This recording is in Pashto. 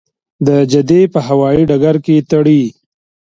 د جدې په هوايي ډګر کې تړي.